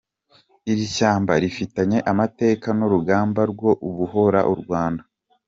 Iri shyamba rifitanye amateka n’urugamba rwo ubohora u Rwanda.